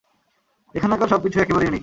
এখানাকার সব কিছু একেবারে ইউনিক।